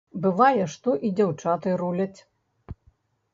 Бывае, што і дзяўчаты руляць.